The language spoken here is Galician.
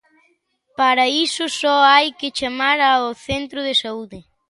Para iso só hai que chamar ao centro de saúde.